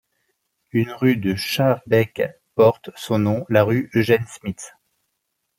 Une rue de Schaerbeek porte son nom, la rue Eugène Smits.